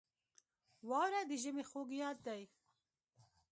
• واوره د ژمي خوږ یاد دی.